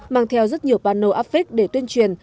mang theo rất nhiều bàn nổ áp phích để tuyên truyền